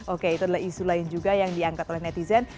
oke itu adalah isu lain juga yang diangkat oleh netizen